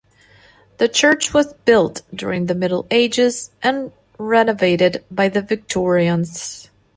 The church was built during the Middle Ages and renovated by the Victorians.